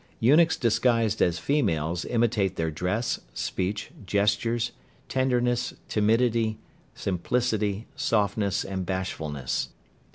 Eunuchs disguised as females imitate their dress, speech, gestures, tenderness, timidity, simplicity, softness and bashfulness.